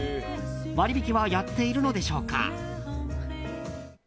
割引はやっているのでしょうか。